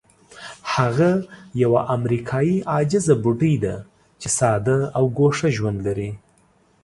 هغه یوه امریکایي عاجزه بوډۍ ده چې ساده او ګوښه ژوند لري.